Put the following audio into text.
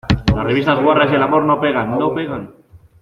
las revistas guarras y el amor no pegan. ¡ no pegan!